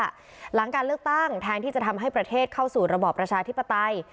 หลังการเลือกตั้งแทนที่จะทำให้ประเทศเข้าสู่ระบอบประชาธิปไตย